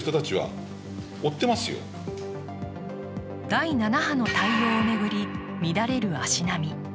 第７波の対応を巡り乱れる足並み。